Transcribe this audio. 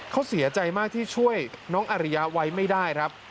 เขาเสียใจมากที่ช่วยน้องอาริยะไว้ไม่ได้ครับ